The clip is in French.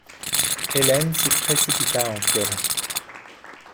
Hélène s’y précipita en pleurant.